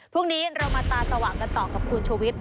พรุ่งนี้เรามาตาสว่างกันต่อกับคุณชุวิต